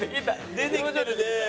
出てきてるね。